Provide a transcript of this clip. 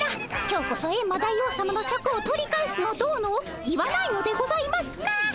今日こそエンマ大王さまのシャクを取り返すのどうのを言わないのでございますか？